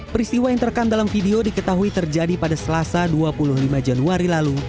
peristiwa yang terekam dalam video diketahui terjadi pada selasa dua puluh lima januari lalu